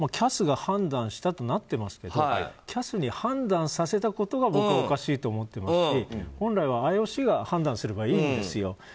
ＣＡＳが判断したとなっていますがＣＡＳに判断させたことが僕はおかしいと思っていますし本来はＩＯＣが判断すればいいんですよ。